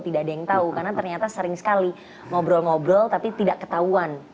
tidak ada yang tahu karena ternyata sering sekali ngobrol ngobrol tapi tidak ketahuan